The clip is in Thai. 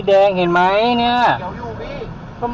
ไฟแดงเห็นมั้ยเนี่ย